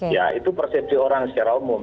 ya itu persepsi orang secara umum